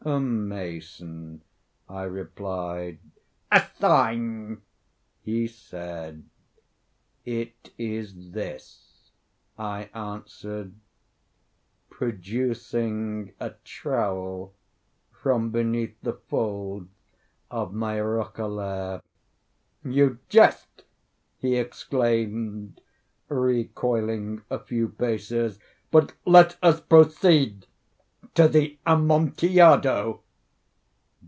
"A mason," I replied. "A sign," he said. "It is this," I answered, producing a trowel from beneath the folds of my roquelaire. "You jest," he exclaimed, recoiling a few paces. "But let us proceed to the Amontillado."